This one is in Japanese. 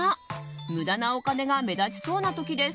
無駄なお金が目立ちそうな時です。